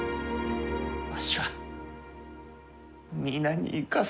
わしは皆に生かされた。